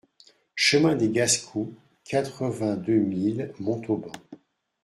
Chemin des Gascous, quatre-vingt-deux mille Montauban